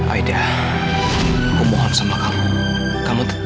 anda mereka ifman totaku dalam tiga puluh menit